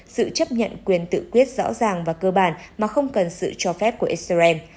sự chấp nhận quyền tự quyết rõ ràng và cơ bản mà không cần sự cho phép của israel